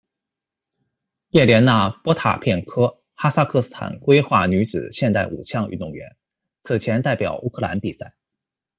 叶莲娜·波塔片科，哈萨克斯坦归化女子现代五项运动员，此前代表乌克兰比赛。